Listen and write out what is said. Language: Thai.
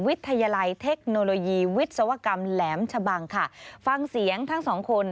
วิทยาลัยเทคโนโลยีวิศวกรรมแหลมชะบังค่ะฟังเสียงทั้งสองคน